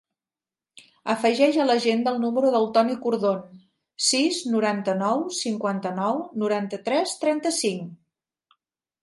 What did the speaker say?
Afegeix a l'agenda el número del Toni Cordon: sis, noranta-nou, cinquanta-nou, noranta-tres, trenta-cinc.